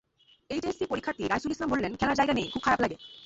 HSC পরীক্ষার্থী রাইসুল ইসলাম বললেন, খেলার জায়গা নেই, খুব খারাপ লাগে।